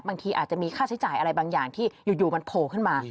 บางทีอาจจะมีค่าใช้จ่ายอะไรบางอย่างที่อยู่มันโผล่ขึ้นมา